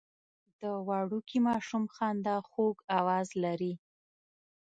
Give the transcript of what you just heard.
د وړوکي ماشوم خندا خوږ اواز لري.